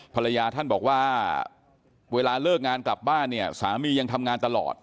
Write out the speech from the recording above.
ภรรยาท่านบอกว่าเวลาเลิกงานกลับบ้านเนี่ยสามียังทำงานตลอด